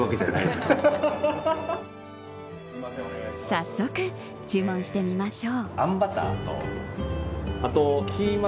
早速、注文してみましょう。